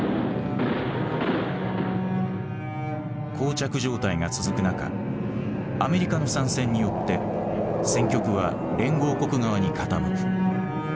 膠着状態が続く中アメリカの参戦によって戦局は連合国側に傾く。